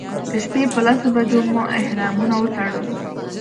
د شپې په لسو بجو مو احرامونه وتړل.